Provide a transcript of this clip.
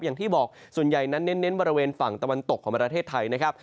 อย่างที่บอกส่วนใหญ่นั้นเน้นบริเวณฝั่งตะวันตกของประเทศไทยนะครับ